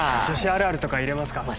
女子あるあるとか入れますか？